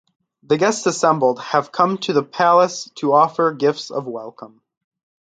The guests assembled have come to the palace to offer gifts of welcome.